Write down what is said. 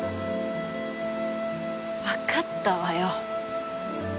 わかったわよ。